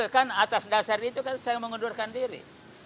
kan atas dasar itu kan saya mengundurkan diri